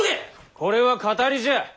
これは騙りじゃ。